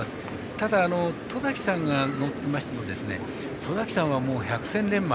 ただ戸崎さんが乗りましても戸崎さんは、百戦錬磨。